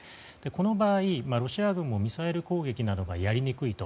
この場合、ロシア軍もミサイル攻撃がやりにくいと。